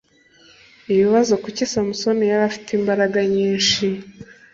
Ibibazo Kuki Samusoni yari afite imbaraga nyinshi